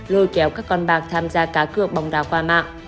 lôi kéo các con bạc tham gia cá cược bóng đá qua mạng